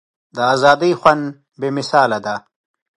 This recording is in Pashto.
د ازادۍ خوند بې مثاله دی.